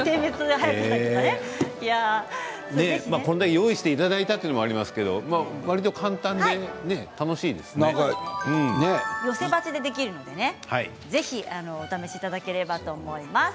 これだけ用意していただいたってのはありますけれども、わりと簡単で寄せ鉢でできるのでぜひお楽しみいただければと思います。